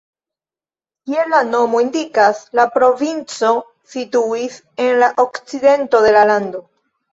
Kiel la nomo indikas, la provinco situis en la okcidento de la lando.